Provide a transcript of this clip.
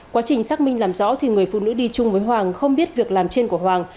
quá trình xác minh làm rõ người phụ nữ đi chung với hoàng không biết việc làm trên của hoàng